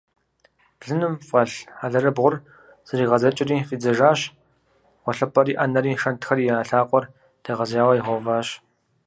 Блыным фӀэлъ алэрыбгъур зэригъэдзэкӀри фӀидзэжащ, гъуэлъыпӀэри, Ӏэнэри, шэнтхэри я лъакъуэр дэгъэзеяуэ игъэуващ.